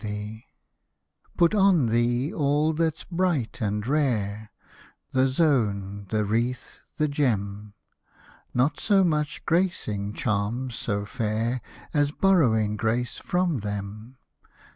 Hosted by Google SONG 79 Put on thee all that's bright and rare, The zone, the wreath, the gem, Not so much gracing charms so fair, As borrowing grace from them.